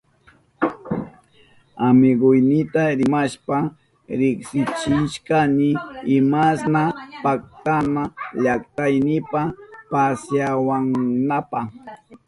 Amiguynita rimashpa riksichishkani imashna paktama llaktaynipa pasyawananpa.